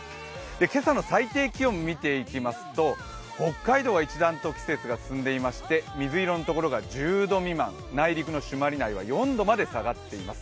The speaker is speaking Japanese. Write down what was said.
今朝の最低気温見ていきますと北海道は一段と季節が進んでいまして水色のところが１０度未満、内陸の朱鞠内は４度まで下がっています。